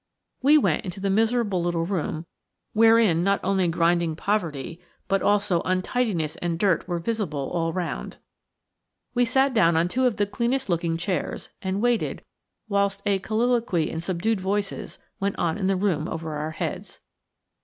We went into the miserable little room wherein not only grinding poverty but also untidiness and dirt were visible all round. We sat down on two of the cleanest looking chairs, and waited whilst a colloquy in subdued voices went on in the room over our heads.